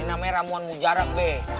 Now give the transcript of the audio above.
ini namanya ramuan mujarak be